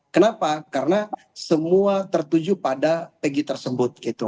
kenapa karena semua tertuju pada pegi tersebut gitu